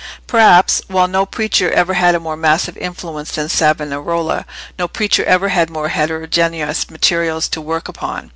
Perhaps, while no preacher ever had a more massive influence than Savonarola, no preacher ever had more heterogeneous materials to work upon.